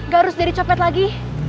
gak harus dari copet lagi